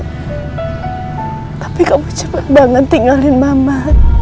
tapi kamu cepet banget tinggalin mamat